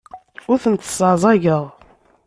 Ur tent-sseɛẓageɣ.